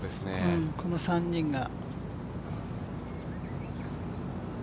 この３人が。